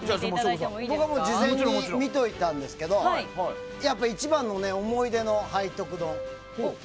事前に見ておいたんですけど一番の思い出の背徳丼。